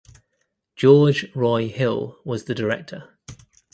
George Roy Hill was the director.